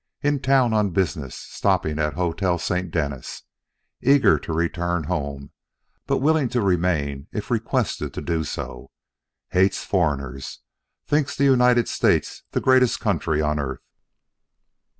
In town on business, stopping at Hotel St. Denis. Eager to return home, but willing to remain if requested to do so. Hates foreigners; thinks the United States the greatest country on earth.